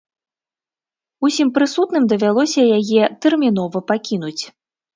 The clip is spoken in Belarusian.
Усім прысутным давялося яе тэрмінова пакінуць.